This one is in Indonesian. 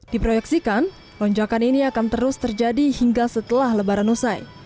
diproyeksikan lonjakan ini akan terus terjadi hingga setelah lebaran usai